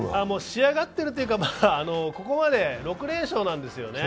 仕上がってるというか、ここまで６連勝なんですよね。